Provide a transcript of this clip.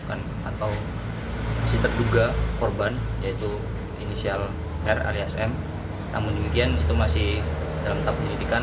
atau si terduga korban yaitu inisial r alias m namun demikian itu masih dalam tahap penyelidikan